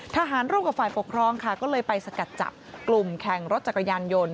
ร่วมกับฝ่ายปกครองค่ะก็เลยไปสกัดจับกลุ่มแข่งรถจักรยานยนต์